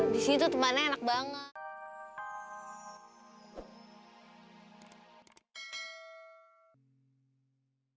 di situ temannya enak banget